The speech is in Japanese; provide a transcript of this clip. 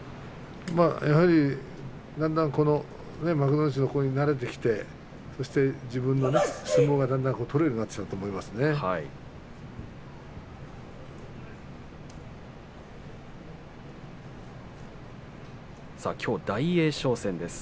やはり、だんだん幕内に慣れてきて、そして自分の相撲がだんだん取れるようになってきたんだと思います。